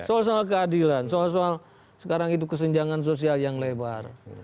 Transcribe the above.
soal soal keadilan soal soal sekarang itu kesenjangan sosial yang lebar